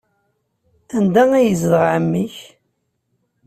Anda ay yezdeɣ ɛemmi-k?